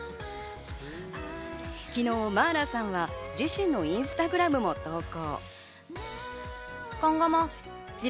昨日、茉愛羅さんは自身のインスタグラムも投稿。